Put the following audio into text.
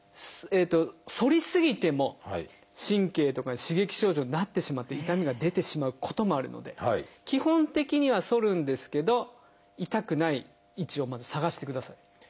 反り過ぎても神経とかに刺激症状になってしまって痛みが出てしまうこともあるので基本的には反るんですけど痛くない位置をまず探してください。